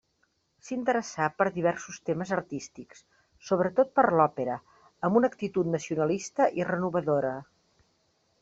S'interessà per diversos temes artístics, sobretot per l'òpera, amb una actitud nacionalista i renovadora.